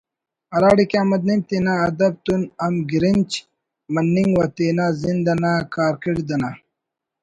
ہراڑے کہ احمد نعیم تینا ادب تون ہمگرنچ مننگ و تینا زند انا کارکڑد نا